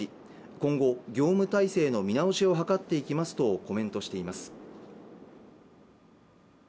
今後業務体制の見直しを図っていきますとコメントしています